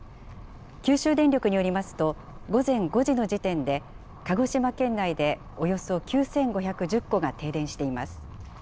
九州電力によりますと、午前５時の時点で、鹿児島県内でおよそ９５１０戸が停電しています。